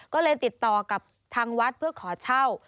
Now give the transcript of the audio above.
ก็เลยติดต่อกับทางวัดเพื่อขอเช่า